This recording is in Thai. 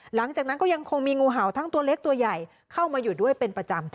หลังจากนั้นก็ยังคงมีงูเห่าทั้งตัวเล็กตัวใหญ่เข้ามาอยู่ด้วยเป็นประจำ